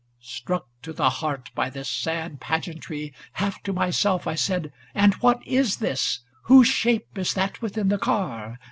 Struck to the heart by this sad pageantry. Half to myself I said ŌĆö ' And what is this ? Whose shape is that within the car